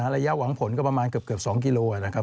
ระยะหวังผลก็ประมาณเกือบ๒กิโลนะครับ